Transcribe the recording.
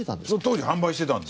当時販売してたんです。